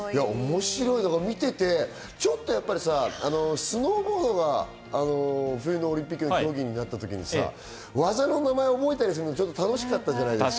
見ていてちょっと、スノーボードが冬のオリンピックの競技になったとき、技の名前を覚えたりするの楽しかったじゃないですか。